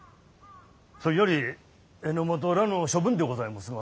そいより榎本らの処分でございもすが。